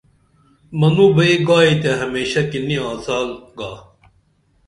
منوں بئی گائی تے ہمیشہ کی نی آڅال گا